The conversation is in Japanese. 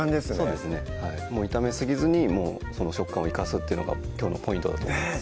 そうですねもう炒めすぎずに食感を生かすっていうのがきょうのポイントだと思います